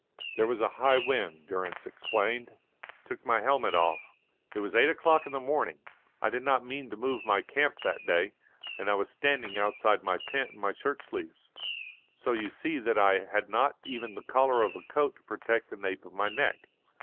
"There was a high wind," Durrance explained. "It took my helmet off. It was eight o'clock in the morning. I did not mean to move my camp that day, and I was standing outside my tent in my shirt sleeves. So you see that I had not even the collar of a coat to protect the nape of my neck.